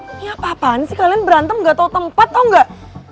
ini apa apaan sih kalian berantem gak tau tempat atau enggak